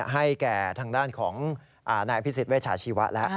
ให้แก่ทางด้านของนายอภิษฎเวชาชีวะแล้ว